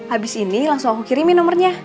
abis ini langsung aku kirimin nomernya